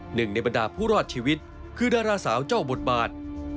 หนึ่งในบรรดาผู้รอดชีวิตคือดาราสาวเจ้าบทบาท